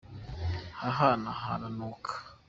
ahahantu haranuka.